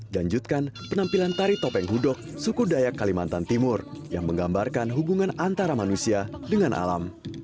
danjutkan penampilan tari topeng hudok suku dayak kalimantan timur yang menggambarkan hubungan antara manusia dengan alam